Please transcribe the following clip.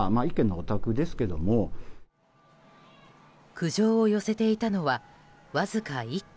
苦情を寄せていたのはわずか１軒。